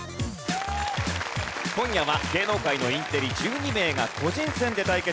今夜は芸能界のインテリ１２名が個人戦で対決。